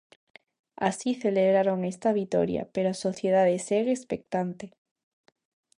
Así celebraron esta vitoria, pero a sociedade segue expectante.